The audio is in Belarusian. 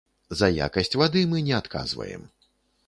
За якасць вады мы не адказваем.